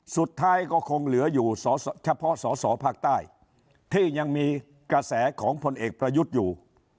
สุดท้ายก็คงเหลืออยู่เฉพาะสอสอภาคใต้ที่ยังมีกระแสของพลเอกประยุทธ์อยู่